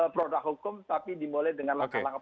produk hukum tapi dimulai dengan langkah langkah